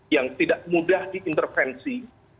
yang tidak mudah diintervensi